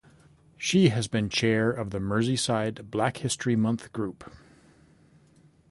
She has been chair of the Merseyside Black History Month Group.